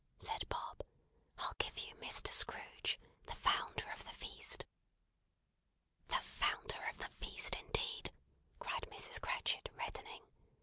said Bob; "I'll give you Mr. Scrooge, the Founder of the Feast!" "The Founder of the Feast indeed!" cried Mrs. Cratchit, reddening.